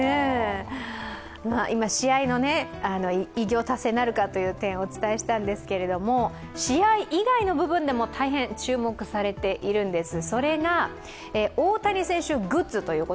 今、試合の偉業達成なるかという点をお伝えしたんですけれども、試合以外の部分でも大変注目されているんです。